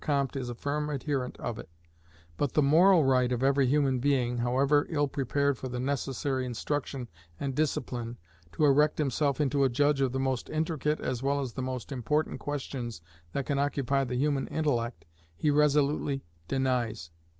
Comte is a firm adherent of it: but the moral right of every human being, however ill prepared by the necessary instruction and discipline, to erect himself into a judge of the most intricate as well as the most important questions that can occupy the human intellect, he resolutely denies.